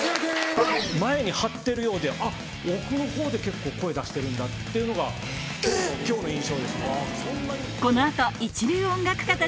前に張ってるようであっ奥のほうで結構声出してるんだっていうのが今日の印象ですね。